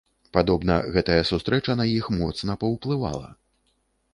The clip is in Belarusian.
Падобна, гэтая сустрэча на іх моцна паўплывала.